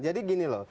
jadi gini loh